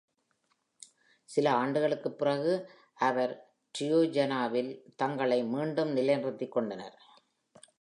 சில ஆண்டுகளுக்குப் பிறகு, அவர்கள் Tijuanaவில் தங்களை மீண்டும் நிலைநிறுத்திக்கொண்டனர்